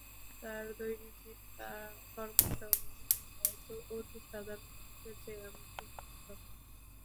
তাঁর দৈনন্দিন কর্মসমূহ হয়তো অতি সাধারণ মানুষের চেয়ে এমন কিছু পৃথক নয়।